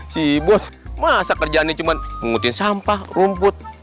si bos masak kerjaannya cuma pengutin sampah rumput